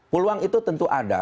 peluang itu tentu ada